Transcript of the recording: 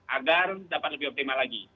agar dapat lebih optimal lagi